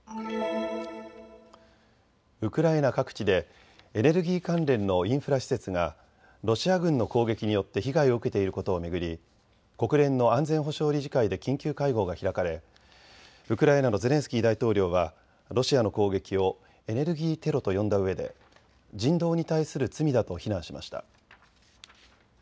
ウクライナ各地でエネルギー関連のインフラ施設がロシア軍の攻撃によって被害を受けていることを巡り、国連の安全保障理事会で緊急会合が開かれウクライナのゼレンスキー大統領はロシアの攻撃をエネルギーテロと呼んだうえで人道に対する罪だと非難しました。